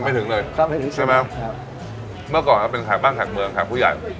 ไม่ถึงใช่ไหมใช่ไหมเมื่อก่อนเราเป็นแขกบ้านแขกเมืองแขกผู้ใหญ่